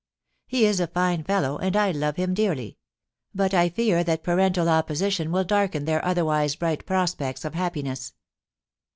He is a fine fellow, and I love him dearly ; but I fear that parental opposition will darken their otherwise bright prospects of happiness.